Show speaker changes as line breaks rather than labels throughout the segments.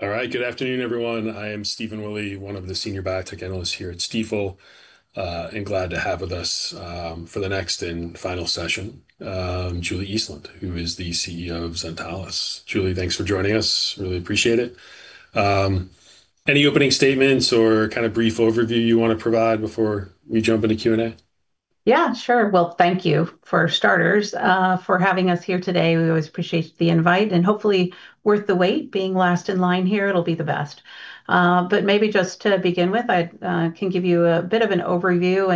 All right. Good afternoon, everyone. I am Stephen Willey, one of the senior biotech analysts here at Stifel. Glad to have with us for the next and final session, Julie Eastland, who is the CEO of Zentalis. Julie, thanks for joining us. Really appreciate it. Any opening statements or kind of brief overview you want to provide before we jump into Q&A?
Yeah, sure. Thank you, for starters, for having us here today. We always appreciate the invite, and hopefully worth the wait. Being last in line here, it'll be the best. Maybe just to begin with, I can give you a bit of an overview.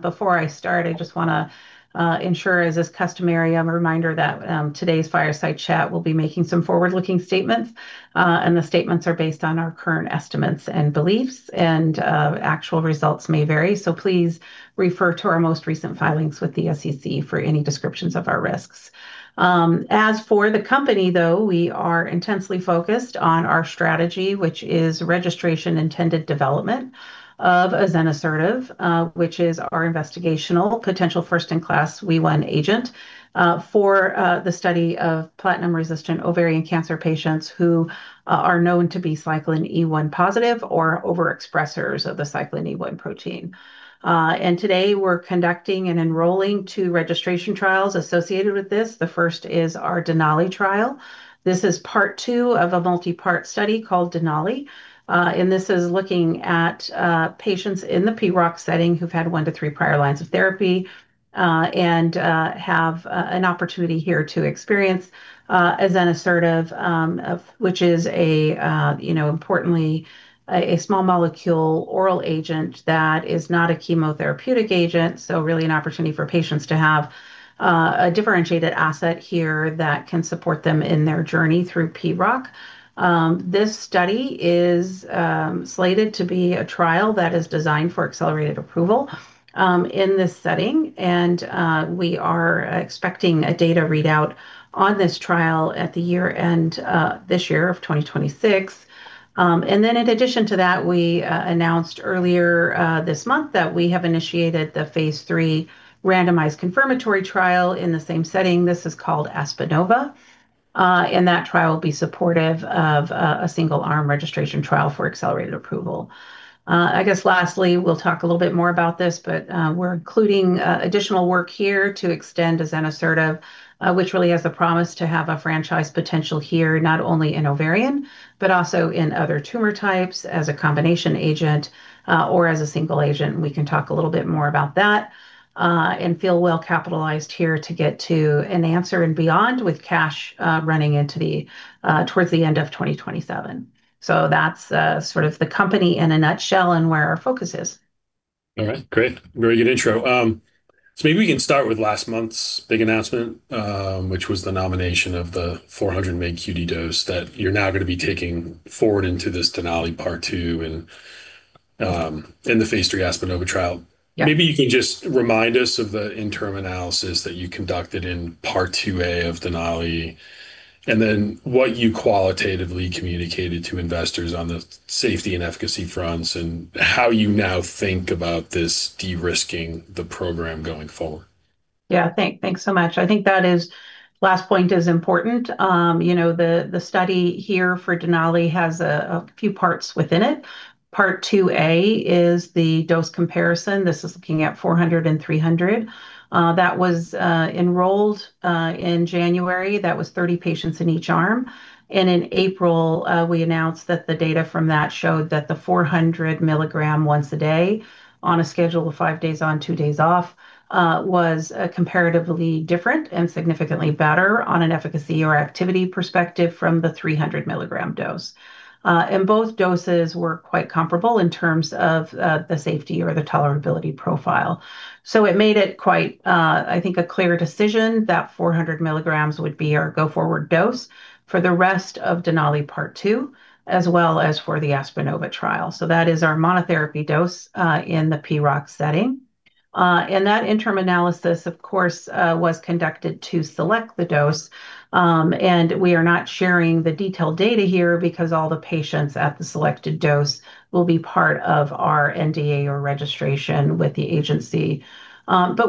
Before I start, I just want to ensure, as is customary, a reminder that today's fireside chat will be making some forward-looking statements. The statements are based on our current estimates and beliefs, and actual results may vary. Please refer to our most recent filings with the SEC for any descriptions of our risks. As for the company, though, we are intensely focused on our strategy, which is registration intended development of azenosertib, which is our investigational potential first-in-class Wee1 agent, for the study of platinum-resistant ovarian cancer patients who are known to be cyclin E1 positive or overexpressers of the cyclin E1 protein. Today, we're conducting and enrolling two registration trials associated with this. The first is our DENALI trial. This is part two of a multi-part study called DENALI. This is looking at patients in the PROC setting who've had one to three prior lines of therapy and have an opportunity here to experience azenosertib, which is importantly a small molecule oral agent that is not a chemotherapeutic agent, so really an opportunity for patients to have a differentiated asset here that can support them in their journey through PROC. This study is slated to be a trial that is designed for accelerated approval in this setting. We are expecting a data readout on this trial at the year-end this year of 2026. In addition to that, we announced earlier this month that we have initiated the phase III randomized confirmatory trial in the same setting. This is called ASPEN-OVA. That trial will be supportive of a single-arm registration trial for accelerated approval. I guess lastly, we'll talk a little bit more about this. We're including additional work here to extend azenosertib, which really has the promise to have a franchise potential here, not only in ovarian, but also in other tumor types as a combination agent or as a single agent. We can talk a little bit more about that, and feel well-capitalized here to get to an answer and beyond with cash running towards the end of 2027. That's sort of the company in a nutshell and where our focus is.
All right, great. Very good intro. Maybe we can start with last month's big announcement, which was the nomination of the 400 mg QD dose that you're now going to be taking forward into this DENALI part two and in the phase III ASPEN-OVA trial.
Yeah.
Maybe you can just remind us of the interim analysis that you conducted in part two-A of DENALI, and then what you qualitatively communicated to investors on the safety and efficacy fronts, and how you now think about this de-risking the program going forward.
Thanks so much. I think that last point is important. The study here for DENALI has a few parts within it. Part two A is the dose comparison. This is looking at 400 and 300. That was enrolled in January. That was 30 patients in each arm. In April, we announced that the data from that showed that the 400 milligram once a day on a schedule of 5 days on, two days off, was comparatively different and significantly better on an efficacy or activity perspective from the 300 milligram dose. Both doses were quite comparable in terms of the safety or the tolerability profile. It made it quite, I think, a clear decision that 400 milligrams would be our go-forward dose for the rest of DENALI part two, as well as for the ASPEN-OVA trial. That is our monotherapy dose in the PROC setting. That interim analysis, of course, was conducted to select the dose. We are not sharing the detailed data here because all the patients at the selected dose will be part of our NDA or registration with the agency.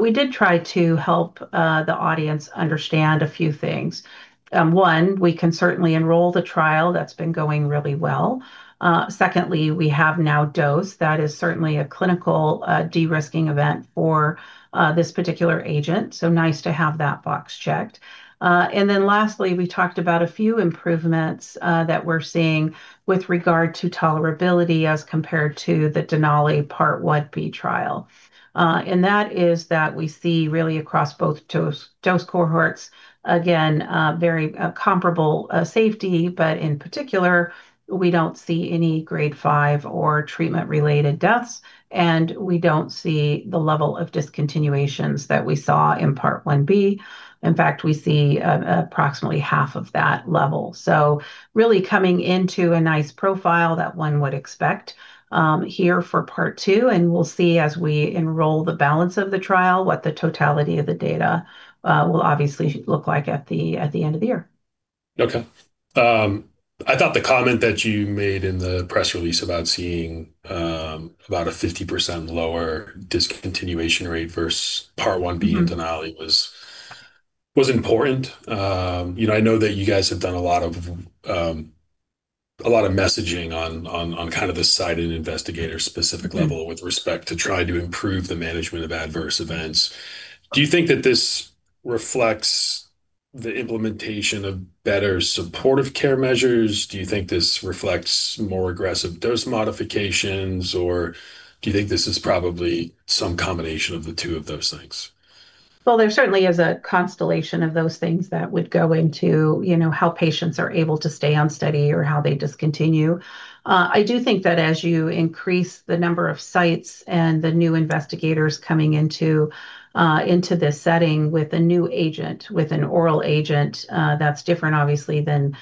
We did try to help the audience understand a few things. one we can certainly enroll the trial. That's been going really well. Secondly, we have now dosed. That is certainly a clinical de-risking event for this particular agent, so nice to have that box checked. Lastly, we talked about a few improvements that we're seeing with regard to tolerability as compared to the DENALI part one-B trial. That is that we see really across both dose cohorts, again, very comparable safety, but in particular, we don't see any grade five or treatment-related deaths, and we don't see the level of discontinuations that we saw in part one-B. In fact, we see approximately half of that level. Really coming into a nice profile that one would expect here for part two, and we'll see as we enroll the balance of the trial what the totality of the data will obviously look like at the end of the year.
I thought the comment that you made in the press release about seeing about a 50% lower discontinuation rate versus phase one-B in DENALI was important. I know that you guys have done a lot of messaging on the site and investigator specific level with respect to trying to improve the management of adverse events. Do you think that this reflects the implementation of better supportive care measures? Do you think this reflects more aggressive dose modifications, or do you think this is probably some combination of the two of those things?
Well, there certainly is a constellation of those things that would go into how patients are able to stay on study or how they discontinue. I do think that as you increase the number of sites and the new investigators coming into this setting with a new agent, with an oral agent, that's different, obviously, than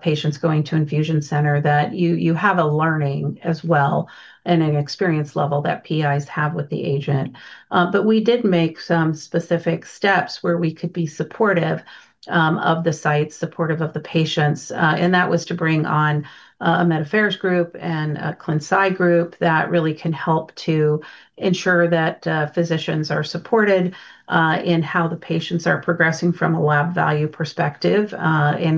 patients going to infusion center, that you have a learning as well, and an experience level that PIs have with the agent. We did make some specific steps where we could be supportive of the sites, supportive of the patients, and that was to bring on a Medical Affairs group and a Clinical Science group that really can help to ensure that physicians are supported in how the patients are progressing from a lab value perspective.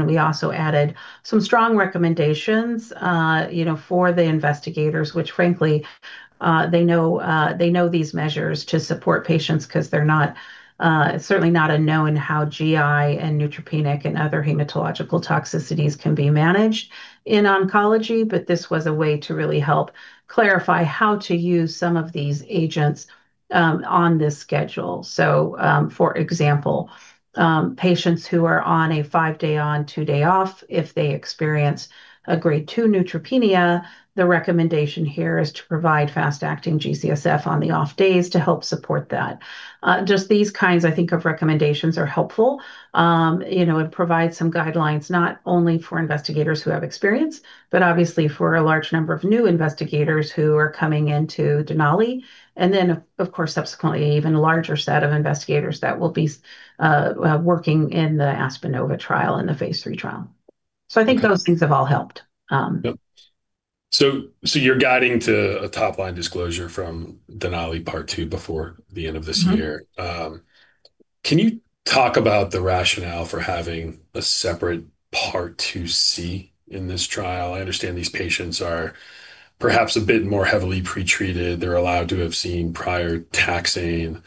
We also added some strong recommendations for the investigators, which frankly, they know these measures to support patients because it's certainly not a known how GI and neutropenic and other hematological toxicities can be managed in oncology. This was a way to really help clarify how to use some of these agents on this schedule. For example, patients who are on a five-day on, two-day off, if they experience a Grade two neutropenia, the recommendation here is to provide fast-acting G-CSF on the off days to help support that. Just these kinds, I think, of recommendations are helpful. It provides some guidelines not only for investigators who have experience, but obviously for a large number of new investigators who are coming into DENALI, and then, of course, subsequently, even a larger set of investigators that will be working in the ASPEN-OVA trial and the phase III trial. I think those things have all helped.
Yep. You're guiding to a top-line disclosure from DENALI Part two before the end of this year. Can you talk about the rationale for having a separate Part two C in this trial? I understand these patients are perhaps a bit more heavily pretreated. They're allowed to have seen prior taxane.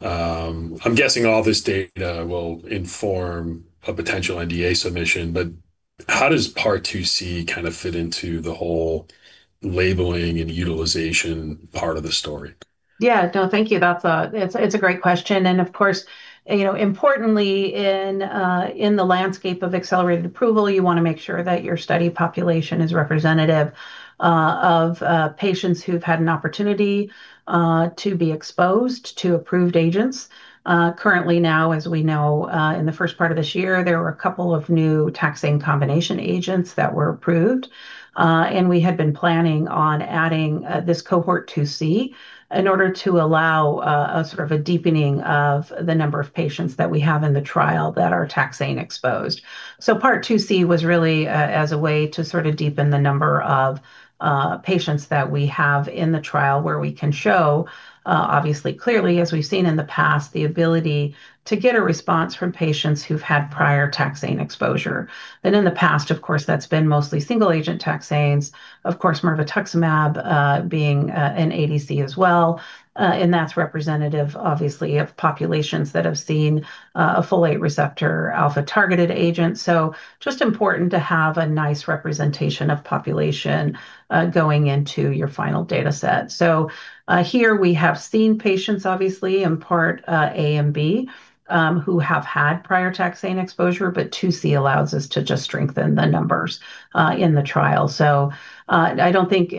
I'm guessing all this data will inform a potential NDA submission. How does Part two C kind of fit into the whole labeling and utilization part of the story?
Yeah. No, thank you. It's a great question. Of course, importantly, in the landscape of accelerated approval, you want to make sure that your study population is representative of patients who've had an opportunity to be exposed to approved agents. Currently now, as we know, in the first part of this year, there were a couple of new taxane combination agents that were approved. We had been planning on adding this cohort two C in order to allow a sort of a deepening of the number of patients that we have in the trial that are taxane exposed. Part two C was really as a way to sort of deepen the number of patients that we have in the trial where we can show, obviously, clearly, as we've seen in the past, the ability to get a response from patients who've had prior taxane exposure. In the past, of course, that's been mostly single-agent taxanes. Of course, mirvetuximab being an ADC as well, and that's representative, obviously, of populations that have seen a folate receptor alpha-targeted agent. Just important to have a nice representation of population going into your final data set. Here we have seen patients, obviously, in Part A and B who have had prior taxane exposure, but two C allows us to just strengthen the numbers in the trial. I don't think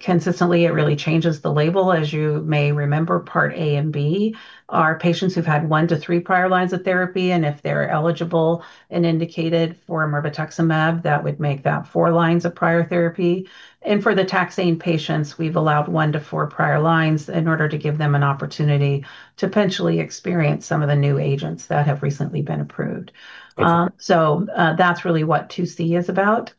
consistently it really changes the label. As you may remember, Part A and B are patients who've had one to three prior lines of therapy, and if they're eligible and indicated for mirvetuximab, that would make that four lines of prior therapy. For the taxane patients, we've allowed one-four prior lines in order to give them an opportunity to potentially experience some of the new agents that have recently been approved.
Okay.
That's really what two C is about,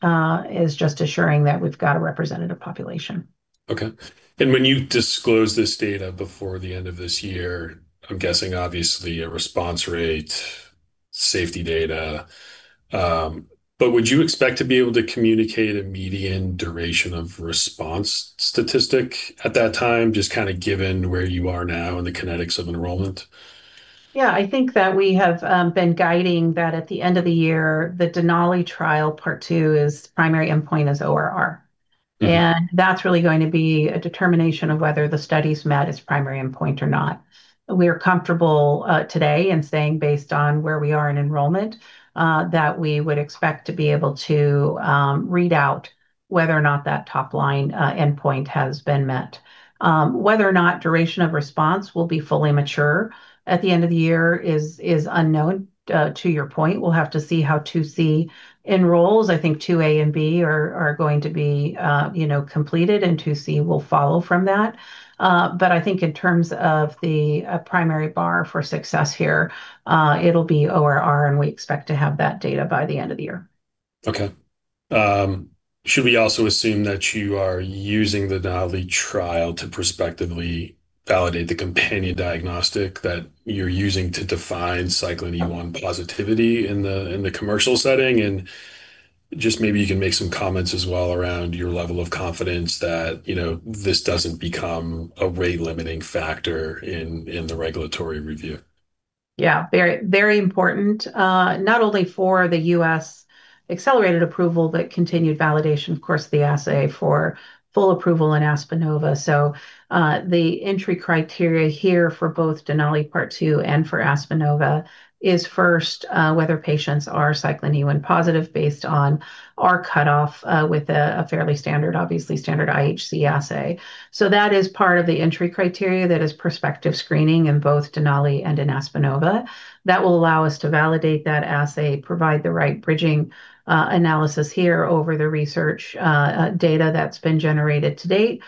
is just assuring that we've got a representative population.
Okay. When you disclose this data before the end of this year, I'm guessing obviously a response rate, safety data. Would you expect to be able to communicate a median duration of response statistic at that time, just kind of given where you are now and the kinetics of enrollment?
Yeah, I think that we have been guiding that at the end of the year, the DENALI trial Part two is primary endpoint is ORR. That's really going to be a determination of whether the study's met its primary endpoint or not. We are comfortable today in saying based on where we are in enrollment, that we would expect to be able to read out whether or not that top-line endpoint has been met. Whether or not duration of response will be fully mature at the end of the year is unknown. To your point, we'll have to see how two C enrolls. I think two A and B are going to be completed, two C will follow from that. I think in terms of the primary bar for success here, it'll be ORR, we expect to have that data by the end of the year.
Okay. Should we also assume that you are using the DENALI trial to prospectively validate the companion diagnostic that you're using to define cyclin E1 positivity in the commercial setting? Just maybe you can make some comments as well around your level of confidence that this doesn't become a rate-limiting factor in the regulatory review.
Very important, not only for the U.S. accelerated approval, but continued validation, of course, the assay for full approval in ASPEN-OVA. The entry criteria here for both DENALI Part two and for ASPEN-OVA is first, whether patients are cyclin E1 positive based on our cutoff with, obviously, standard IHC assay. That is part of the entry criteria that is prospective screening in both DENALI and in ASPEN-OVA. That will allow us to validate that assay, provide the right bridging analysis here over the research data that's been generated to date.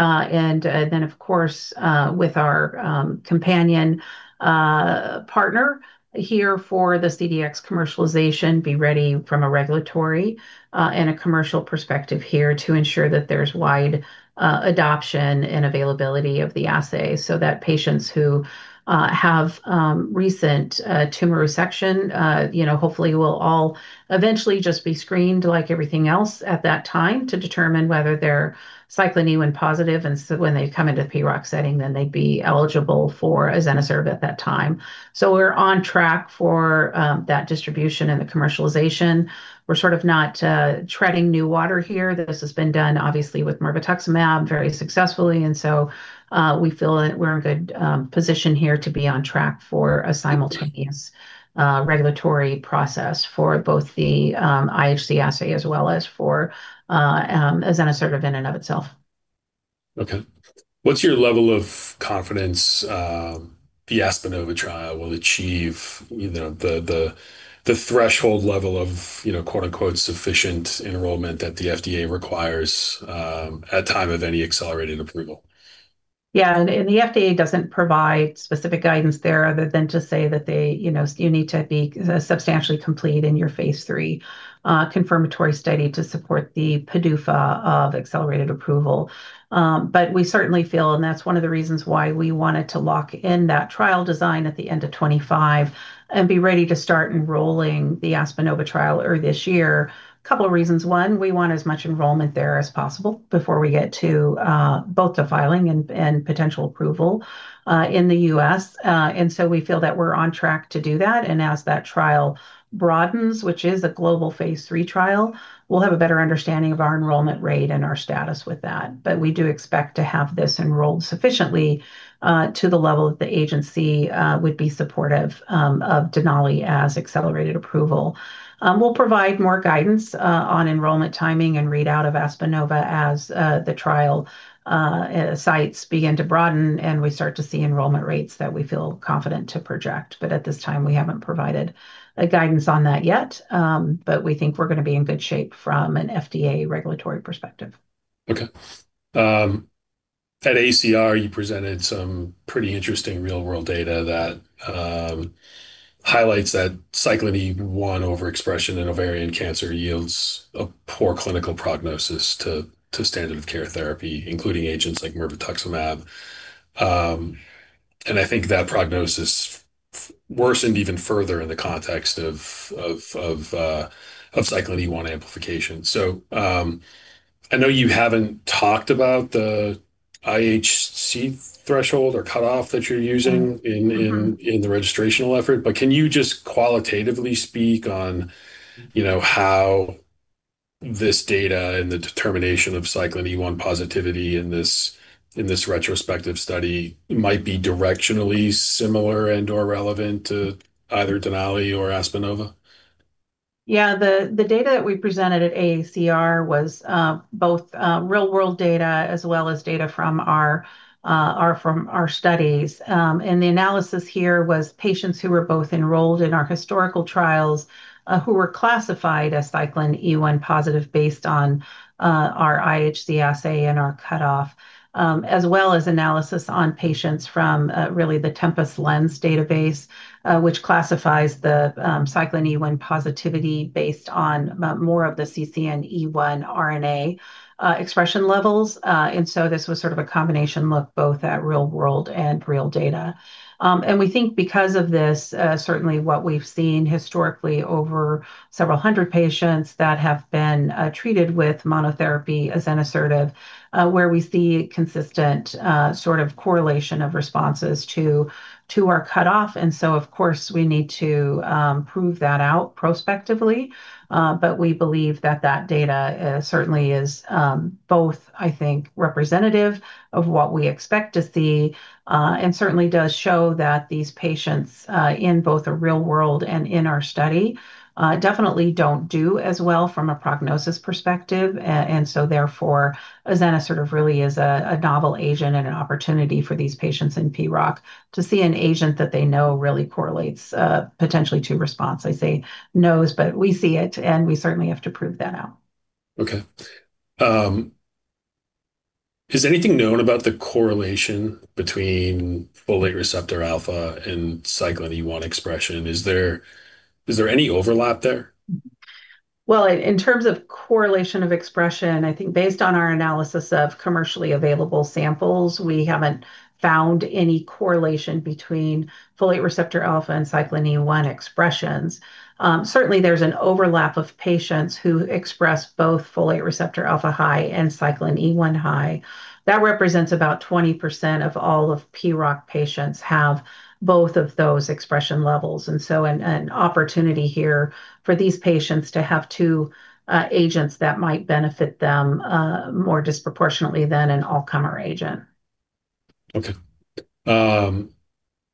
Of course, with our companion partner here for the CDx commercialization, be ready from a regulatory and a commercial perspective here to ensure that there's wide adoption and availability of the assay, so that patients who have recent tumor resection hopefully will all eventually just be screened like everything else at that time to determine whether they're cyclin E1 positive. When they come into the PROC setting, then they'd be eligible for azenosertib at that time. We're on track for that distribution and the commercialization. We're sort of not treading new water here. This has been done obviously with mirvetuximab very successfully. We feel that we're in good position here to be on track for a simultaneous regulatory process for both the IHC assay as well as for azenosertib in and of itself.
Okay. What's your level of confidence the ASPEN-OVA trial will achieve the threshold level of "sufficient enrollment" that the FDA requires at time of any accelerated approval?
Yeah. The FDA doesn't provide specific guidance there other than to say that you need to be substantially complete in your phase III confirmatory study to support the PDUFA of accelerated approval. We certainly feel, and that's one of the reasons why we wanted to lock in that trial design at the end of 2025 and be ready to start enrolling the ASPEN-OVA trial early this year. Couple of reasons. One, we want as much enrollment there as possible before we get to both the filing and potential approval in the U.S. So we feel that we're on track to do that. As that trial broadens, which is a global phase III trial, we'll have a better understanding of our enrollment rate and our status with that. We do expect to have this enrolled sufficiently, to the level that the agency would be supportive of DENALI as accelerated approval. We'll provide more guidance on enrollment timing and readout of ASPEN-OVA as the trial sites begin to broaden, and we start to see enrollment rates that we feel confident to project. At this time, we haven't provided a guidance on that yet. We think we're going to be in good shape from an FDA regulatory perspective.
Okay. At AACR, you presented some pretty interesting real-world data that highlights that cyclin E1 overexpression in ovarian cancer yields a poor clinical prognosis to standard of care therapy, including agents like mirvetuximab. I think that prognosis worsened even further in the context of cyclin E1 amplification. I know you haven't talked about the IHC threshold or cutoff that you're using in the registrational effort, but can you just qualitatively speak on how this data and the determination of cyclin E1 positivity in this retrospective study might be directionally similar and/or relevant to either DENALI or ASPEN-OVA?
The data that we presented at AACR was both real-world data as well as data from our studies. The analysis here was patients who were both enrolled in our historical trials, who were classified as cyclin E1 positive based on our IHC assay and our cutoff, as well as analysis on patients from really the Tempus Lens database, which classifies the cyclin E1 positivity based on more of the CCNE1 RNA expression levels. This was sort of a combination look both at real world and real data. We think because of this, certainly what we've seen historically over several hundred patients that have been treated with monotherapy azenosertib, where we see consistent sort of correlation of responses to our cutoff. Of course, we need to prove that out prospectively. We believe that that data certainly is both, I think, representative of what we expect to see, and certainly does show that these patients, in both the real world and in our study, definitely don't do as well from a prognosis perspective. Therefore, azenosertib really is a novel agent and an opportunity for these patients in PROC to see an agent that they know really correlates potentially to response. I say knows, but we see it, and we certainly have to prove that out.
Okay. Is anything known about the correlation between folate receptor alpha and cyclin E1 expression? Is there any overlap there?
In terms of correlation of expression, I think based on our analysis of commercially available samples, we haven't found any correlation between folate receptor alpha and cyclin E1 expressions. Certainly, there's an overlap of patients who express both folate receptor alpha high and cyclin E1 high. That represents about 20% of all of PROC patients have both of those expression levels. An opportunity here for these patients to have two agents that might benefit them more disproportionately than an all-comer agent.
Okay.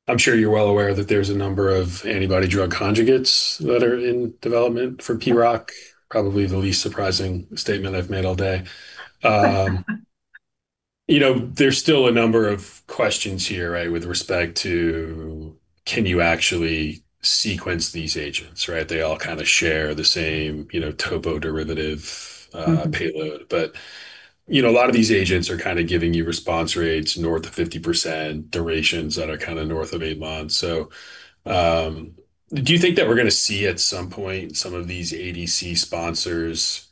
I'm sure you're well aware that there's a number of antibody drug conjugates that are in development for PROC. Probably the least surprising statement I've made all day. There's still a number of questions here, right, with respect to can you actually sequence these agents, right? They all kind of share the same topoisomerase derivative payload. A lot of these agents are kind of giving you response rates north of 50%, durations that are kind of north of eight months. Do you think that we're going to see at some point some of these ADC sponsors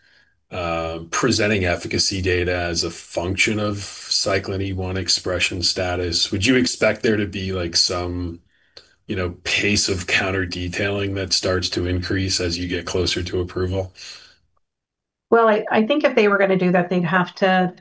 presenting efficacy data as a function of cyclin E1 expression status? Would you expect there to be some pace of counter-detailing that starts to increase as you get closer to approval?
Well, I think if they were going to do that, they'd have to,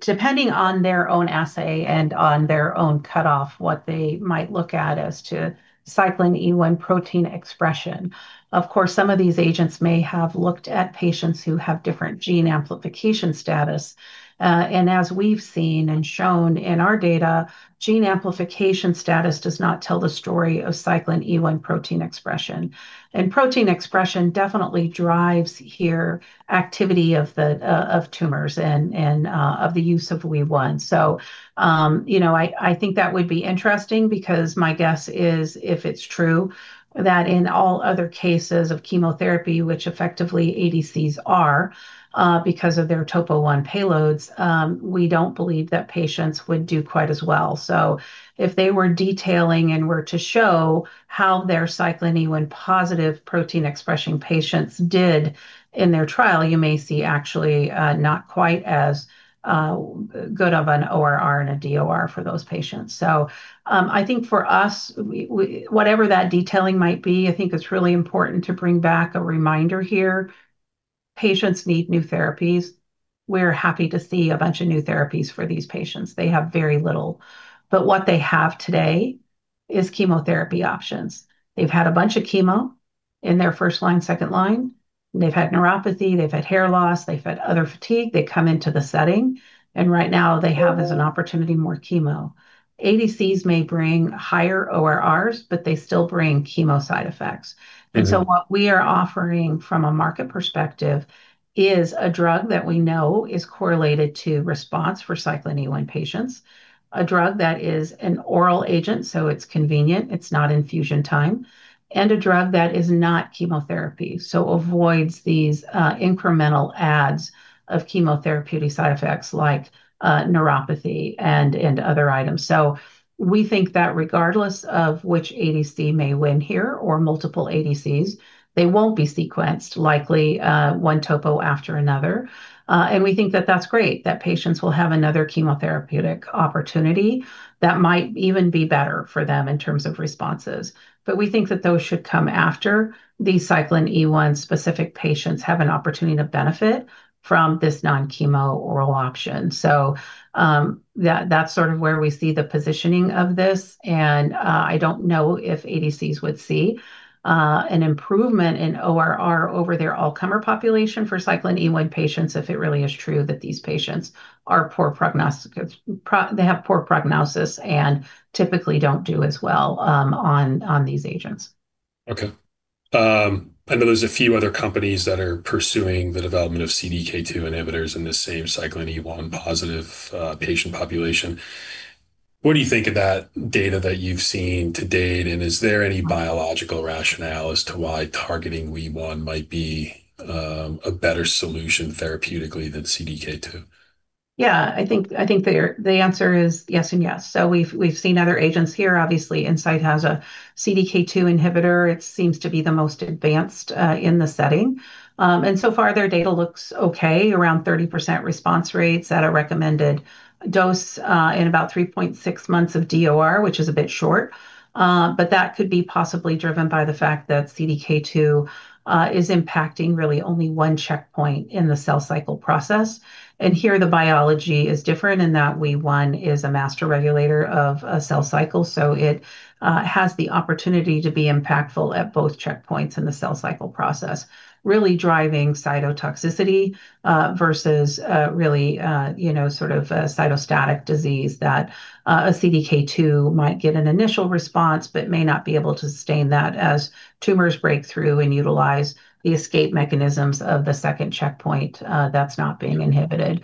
depending on their own assay and on their own cutoff, what they might look at as to cyclin E1 protein expression. Of course, some of these agents may have looked at patients who have different gene amplification status. As we've seen and shown in our data, gene amplification status does not tell the story of cyclin E1 protein expression. Protein expression definitely drives here activity of tumors and of the use of Wee1. I think that would be interesting because my guess is if it's true that in all other cases of chemotherapy, which effectively ADCs are, because of their Topo1 payloads, we don't believe that patients would do quite as well. If they were detailing and were to show how their cyclin E1positive protein expressing patients did in their trial, you may see actually not quite as good of an ORR and a DOR for those patients. I think for us, whatever that detailing might be, I think it's really important to bring back a reminder here. Patients need new therapies. We're happy to see a bunch of new therapies for these patients. They have very little. What they have today is chemotherapy options. They've had a bunch of chemo in their first line, second line. They've had neuropathy. They've had hair loss. They've had other fatigue. They come into the setting, right now they have as an opportunity more chemo. ADCs may bring higher ORRs, they still bring chemo side effects. What we are offering from a market perspective is a drug that we know is correlated to response for cyclin E1 patients, a drug that is an oral agent, it's convenient, it's not infusion time, and a drug that is not chemotherapy, avoids these incremental adds of chemotherapeutic side effects like neuropathy and other items. We think that regardless of which ADC may win here, or multiple ADCs, they won't be sequenced likely one topo after another. We think that that's great, that patients will have another chemotherapeutic opportunity that might even be better for them in terms of responses. We think that those should come after the cyclin E1 specific patients have an opportunity to benefit from this non-chemo oral option. That's sort of where we see the positioning of this, and I don't know if ADCs would see an improvement in ORR over their all-comer population for cyclin E1 patients if it really is true that these patients have poor prognosis and typically don't do as well on these agents.
Okay. I know there's a few other companies that are pursuing the development of CDK2 inhibitors in the same cyclin E1 positive patient population. What do you think of that data that you've seen to date, and is there any biological rationale as to why targeting Wee1 might be a better solution therapeutically than CDK2?
Yeah, I think the answer is yes and yes. We've seen other agents here. Obviously, Incyte has a CDK2 inhibitor. It seems to be the most advanced in the setting. So far their data looks okay, around 30% response rates at a recommended dose in about 3.6 months of DOR, which is a bit short. That could be possibly driven by the fact that CDK2 is impacting really only one checkpoint in the cell cycle process. Here the biology is different in that Wee1 is a master regulator of a cell cycle, so it has the opportunity to be impactful at both checkpoints in the cell cycle process. Really driving cytotoxicity versus really sort of a cytostatic disease that a CDK2 might get an initial response but may not be able to sustain that as tumors break through and utilize the escape mechanisms of the second checkpoint that's not being inhibited.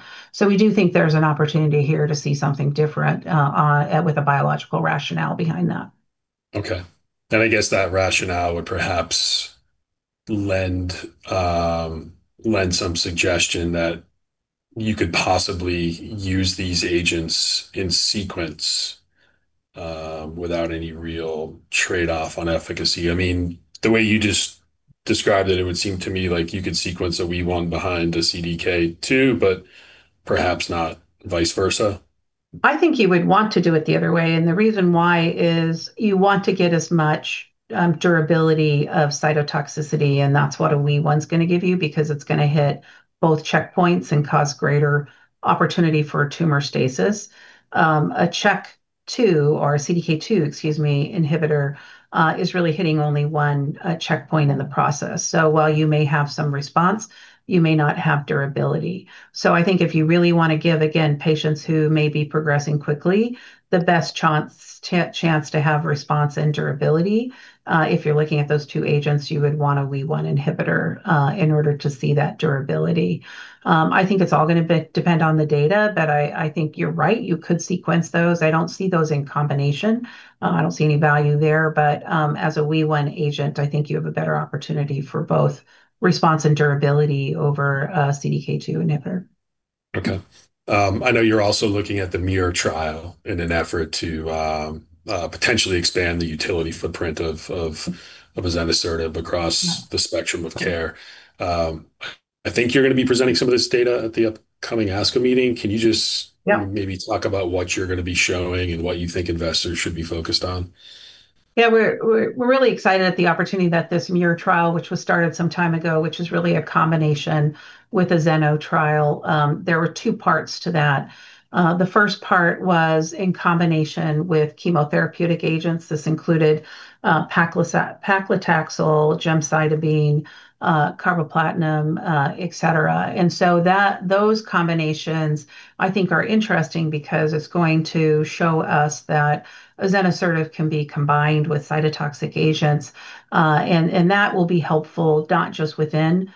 We do think there's an opportunity here to see something different with a biological rationale behind that.
Okay. I guess that rationale would perhaps lend some suggestion that you could possibly use these agents in sequence without any real trade-off on efficacy. The way you just described it would seem to me like you could sequence a Wee1 behind a CDK2, but perhaps not vice versa.
I think you would want to do it the other way. The reason why is you want to get as much durability of cytotoxicity, and that's what a Wee1's going to give you because it's going to hit both checkpoints and cause greater opportunity for tumor stasis. A check two or a CDK2, excuse me, inhibitor is really hitting only one checkpoint in the process. While you may have some response, you may not have durability. I think if you really want to give, again, patients who may be progressing quickly the best chance to have response and durability, if you're looking at those two agents, you would want a Wee1 inhibitor in order to see that durability. I think it's all going to depend on the data. I think you're right. You could sequence those. I don't see those in combination. I don't see any value there. As a Wee1 agent, I think you have a better opportunity for both response and durability over a CDK2 inhibitor.
Okay. I know you're also looking at the MIRROR trial in an effort to potentially expand the utility footprint of azenosertib across the spectrum of care. I think you're going to be presenting some of this data at the upcoming ASCO meeting. Yeahmaybe talk about what you're going to be showing and what you think investors should be focused on?
Yeah. We're really excited at the opportunity that this MIRROR trial, which was started some time ago, which is really a combination with the ZENO trial. There were two parts to that. The first part was in combination with chemotherapeutic agents. This included paclitaxel, gemcitabine, carboplatin, et cetera. Those combinations, I think, are interesting because it's going to show us that azenosertib can be combined with cytotoxic agents. That will be helpful not just within,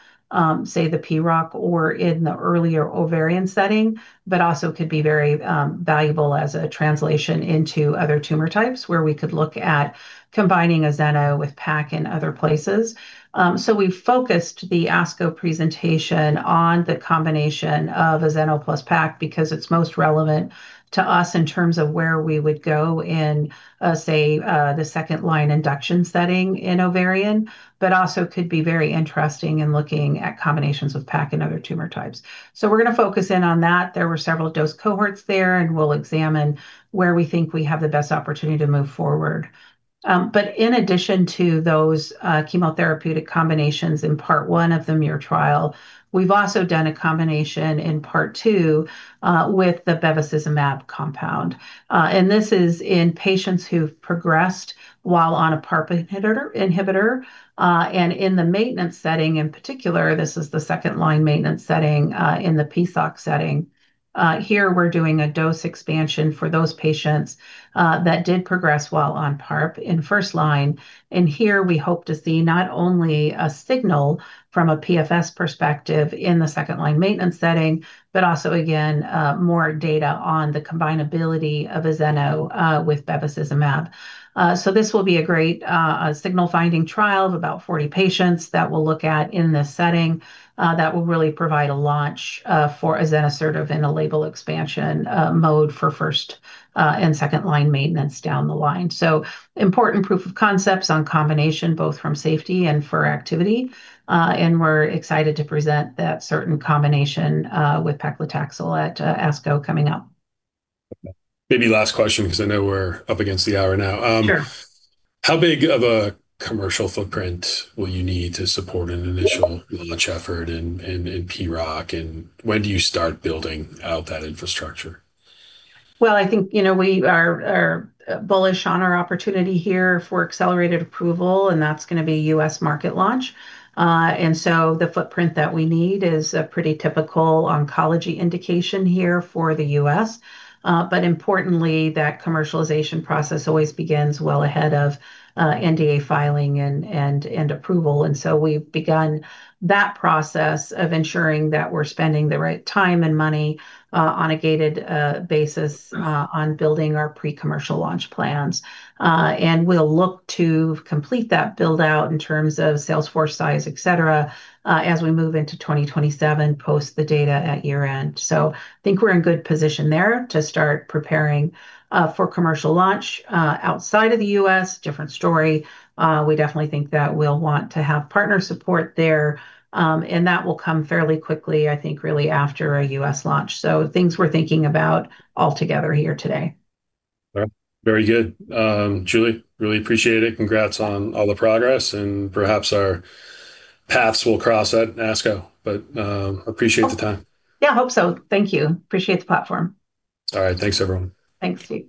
say, the PROC or in the earlier ovarian setting, but also could be very valuable as a translation into other tumor types where we could look at combining a ZENO with PAC in other places. We focused the ASCO presentation on the combination of ZENO plus PAC because it's most relevant to us in terms of where we would go in, say, the second-line induction setting in ovarian, but also could be very interesting in looking at combinations with PAC in other tumor types. We're going to focus in on that. There were several dose cohorts there, and we'll examine where we think we have the best opportunity to move forward. In addition to those chemotherapeutic combinations in part one of the MIRROR trial, we've also done a combination in part two with the bevacizumab compound. This is in patients who've progressed while on a PARP inhibitor. In the maintenance setting in particular, this is the second-line maintenance setting in the PSOC setting. Here we're doing a dose expansion for those patients that did progress while on PARP in first line. Here we hope to see not only a signal from a PFS perspective in the second-line maintenance setting, but also again, more data on the combinability of a ZENO with bevacizumab. This will be a great signal finding trial of about 40 patients that we'll look at in this setting that will really provide a launch for azenosertib in a label expansion mode for first and second-line maintenance down the line. Important proof of concepts on combination, both from safety and for activity. We're excited to present that certain combination with paclitaxel at ASCO coming up.
Maybe last question because I know we're up against the hour now.
Sure.
How big of a commercial footprint will you need to support an initial launch effort in PROC, and when do you start building out that infrastructure?
Well, I think we are bullish on our opportunity here for accelerated approval, that's going to be U.S. market launch. The footprint that we need is a pretty typical oncology indication here for the U.S. Importantly, that commercialization process always begins well ahead of NDA filing and approval. We've begun that process of ensuring that we're spending the right time and money on a gated basis on building our pre-commercial launch plans. We'll look to complete that build-out in terms of sales force size, et cetera, as we move into 2027 post the data at year-end. I think we're in good position there to start preparing for commercial launch. Outside of the U.S., different story. We definitely think that we'll want to have partner support there, that will come fairly quickly, I think, really after a U.S. launch. Things we're thinking about altogether here today.
All right. Very good. Julie, really appreciate it. Congrats on all the progress, and perhaps our paths will cross at ASCO. Appreciate the time.
Yeah, hope so. Thank you. Appreciate the platform.
All right. Thanks everyone.
Thanks, Steve.